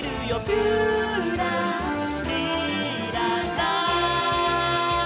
「ぴゅらりらら」